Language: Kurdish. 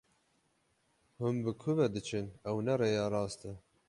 Hûn bi ku ve diçin, ew ne rêya rast e.